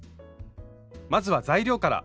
まずは材料から。